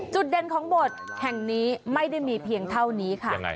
จุดเด่นของบทแห่งนี้ไม่ได้มีเพียงเท่านี้ค่ะ